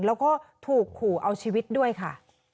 แล้วก็ถูกขู่เอาชีวิตด้วยค่ะ